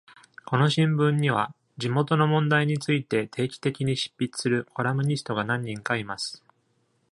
この新聞には、地元の問題について定期的に執筆するコラムニストが何人かいます。